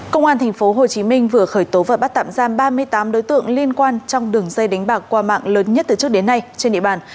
công an tp hcm vừa khởi tố và bắt tạm giam ba mươi tám đối tượng liên quan trong đường dây đánh bạc qua mạng lớn nhất từ trước đến nay trên địa bàn